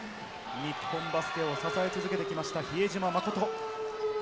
日本バスケを支え続けてきました、比江島慎。